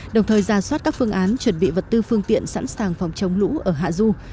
đồng thời ra soát các phương án chuẩn bị vật tư phương tiện sẵn sàng phòng chống lũ ở hạ du